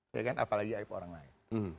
ya kan apalagi aib orang lain